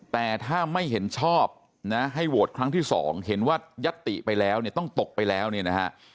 แต่ถ้าไม่เห็นชอบนะให้โหวตครั้งที่สองเห็นว่ายัตติไปแล้วเนี่ยต้องตกไปแล้วเนี่ยนะฮะ